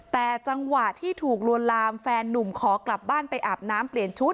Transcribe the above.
แต่จังหวะที่ถูกลวนลามแฟนนุ่มขอกลับบ้านไปอาบน้ำเปลี่ยนชุด